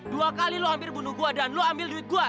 dua kali lo hampir bunuh gue dan lo ambil duit gue